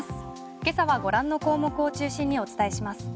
今朝はご覧の項目を中心にお伝えします。